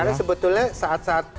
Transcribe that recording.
karena sebetulnya saat saat